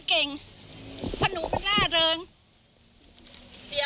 พวกมึงพอกันนี้หน่อยนะ